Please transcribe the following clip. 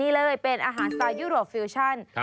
นี่เลยเป็นอาหารสไตลยุโรปฟิวชั่น